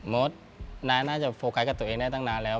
มดน้าน่าจะโฟกัสกับตัวเองได้ตั้งนานแล้ว